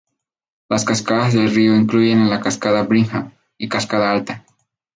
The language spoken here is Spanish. Las cascadas del río incluyen la "cascada Brigham" y la "cascada Alta".